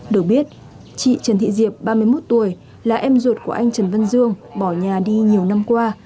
được biết chị trần thị diệp ba mươi một tuổi là em ruột của anh trần văn dương bỏ nhà đi nhiều năm qua